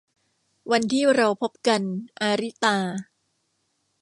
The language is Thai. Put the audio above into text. วันที่เราพบกัน - อาริตา